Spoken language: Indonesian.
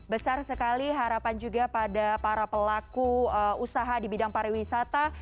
besar sekali harapan juga pada para pelaku usaha di bidang pariwisata